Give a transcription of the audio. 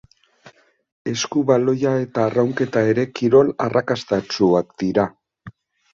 Eskubaloia eta arraunketa ere kirol arrakastatsuak dira.